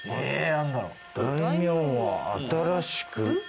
「大名は新しく」。